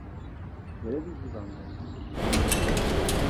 - Երևի հիվանդ է: